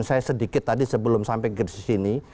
saya sedikit tadi sebelum sampai ke sini